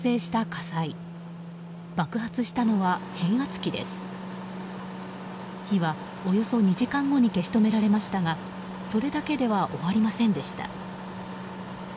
火はおよそ２時間後に消し止められましたがそれだけでは終わりませんでした。